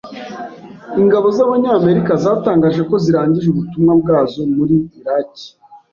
Ingabo z’Abanyamerika zatangaje ko zirangije ubutumwa bwazo muri Iraki.